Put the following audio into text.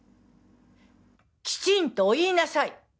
きちんとお言いなさい。